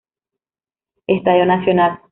Estadio Nacional.